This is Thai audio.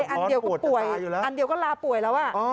อันเดียวก็ป่วยอันเดียวก็ลาป่วยแล้ว